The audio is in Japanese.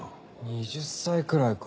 ２０歳くらいか。